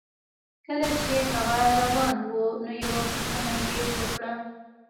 کله چې هغه روان و نو یوه پوښتنه یې وکړه